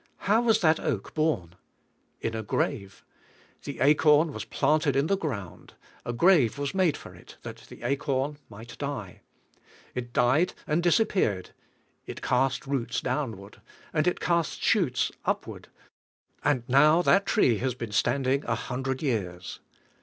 How was that oak born ? In a grave. The acorn was planted in the ground, a grave was made for it that the acorn might die. It died and disappeared; it cast roots downvv^ard, and it cast shoots upward, and now that tree has been standing a hundred years.